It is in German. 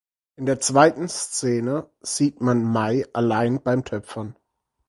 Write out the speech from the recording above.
In der zweiten Szene sieht man Mai alleine beim Töpfern.